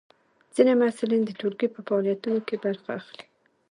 ځینې محصلین د ټولګي په فعالیتونو کې برخه اخلي.